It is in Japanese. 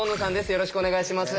よろしくお願いします。